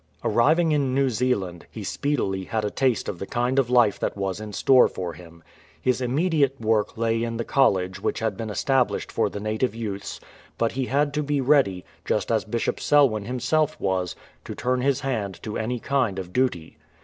Arriving in New Zealand, he speedily had a taste of the kind of life that was in store for him. His immediate work lay in the College which had been established for the native youths, but he had to be ready, just as Bishop Selwyn himself was, to turn his hand to any kind of duty.